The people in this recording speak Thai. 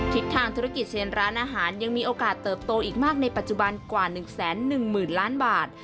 ทิศทางธุรกิจเชนร้านอาหารยังมีโอกาสเติบโตอีกมากในปัจจุบันกว่า๑๑๐๐๐ล้านบาท